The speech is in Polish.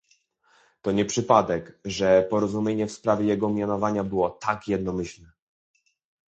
To nie przypadek, że porozumienie w sprawie jego mianowania było tak jednomyślne